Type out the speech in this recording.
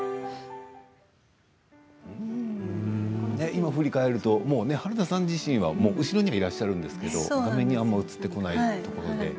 今、振り返ると原田さん自身、後ろにはいらっしゃるんですけれど画面に映ってこないところで。